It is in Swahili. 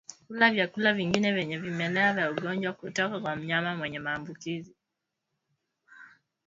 Kula vyakula vingine vyenye vimelea vya ugonjwa kutoka kwa mnyama mwenye maambukizi